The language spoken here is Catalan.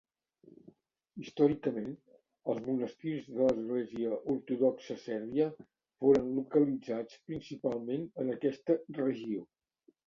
Històricament, els monestirs de l'Església ortodoxa sèrbia foren localitzats principalment en aquesta regió.